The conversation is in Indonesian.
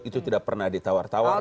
itu tidak pernah ditawar tawar